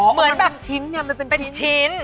อ๋อเหมือนแบบมันเป็นทิ้งเนี่ยมันเป็นทิ้ง